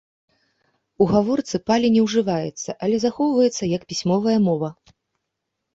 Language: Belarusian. У гаворцы палі не ўжываецца, але захоўваецца як пісьмовая мова.